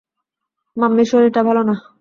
মাম্মির শরীরটা ভালো না!